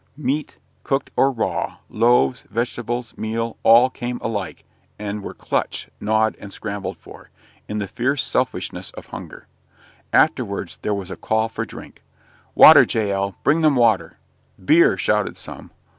Meat, cooked or raw, loaves, vegetables, meal; all came alike, and were clutched, gnawed, and scrambled for, in the fierce selfishness of hunger. Afterwards there was a call for drink. "Water, Jael; bring them water." "Beer!" shouted some.